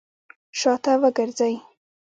شاته وګرځئ!